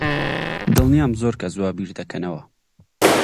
دڵنیام زۆر کەس وا بیر دەکەنەوە.